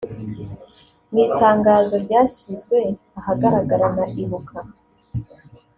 Mu itangazo ryashyizwe ahagaragara na Ibuka